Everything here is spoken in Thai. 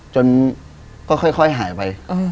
จนก็ค่อยหายไป